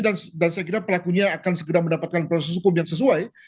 dan saya kira pelakunya akan segera mendapatkan proses hukum yang sesuai